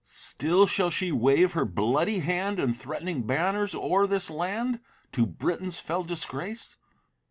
Still shall she wave her bloody hand And threatening banners o'er this land, To Britain's fell disgrace?